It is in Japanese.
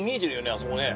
あそこね。